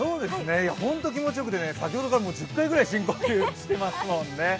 本当気持ちよくて、先ほどから１０回ぐらい深呼吸してますもんね。